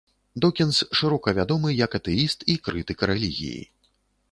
Докінз шырока вядомы як атэіст і крытык рэлігіі.